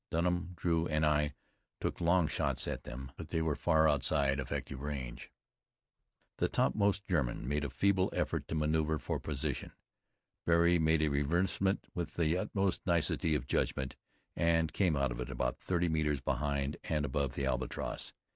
Dunham, Drew, and I took long shots at them, but they were far outside effective range. The topmost German made a feeble effort to maneuver for position. Barry made a renversement with the utmost nicety of judgment and came out of it about thirty metres behind and above the Albatross.